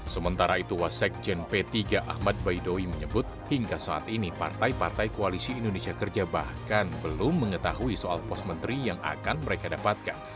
sementara itu wasek jen p tiga ahmad baidowi menyebut hingga saat ini partai partai koalisi indonesia kerja bahkan belum mengetahui soal pos menteri yang akan mereka dapatkan